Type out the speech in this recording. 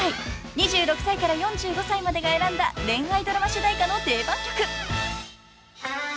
［２６歳から４５歳までが選んだ恋愛ドラマ主題歌の定番曲］